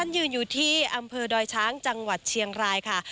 ยืนอยู่ที่อำเภอดอยช้างจังหวัดเชียงรายค่ะ